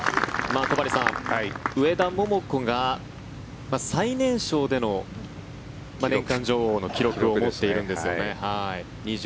戸張さん、上田桃子が最年少での年間女王の記録を持っているんですよね。